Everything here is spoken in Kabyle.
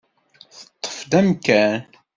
Teṭṭef-d amkan.